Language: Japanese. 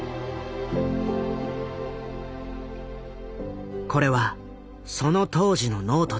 これはその当時のノートだ。